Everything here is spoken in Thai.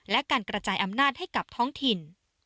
และการกระจายอำนาจให้กับท้องถิ่น